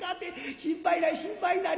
心配ない心配ない。